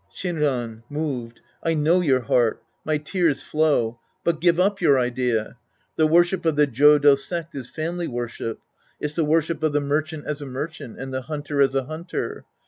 Shinran {moved). I know your heart. My tears flow. But give up your idea. The worship of the Jodo sect is family worship. It's the worship of the merchant as a merchant and the hunter as a hunter.